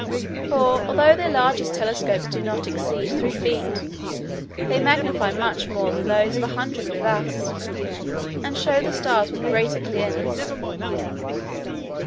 For, although their largest telescopes do not exceed three feet, they magnify much more than those of a hundred with us, and show the stars with greater clearness.